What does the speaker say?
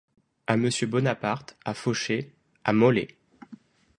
A monsieur Bonaparte, à Faucher, à Molé.